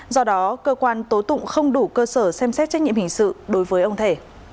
do đó cơ quan tố tụng không đủ cơ sở xem xét trách nhiệm hình sự đối với ông thể